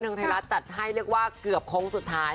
ทางไทยรัฐจัดให้เรียกว่าเกือบโค้งสุดท้าย